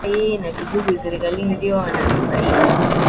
alikuwa yeye na vigogo serikalini ndio wananufaika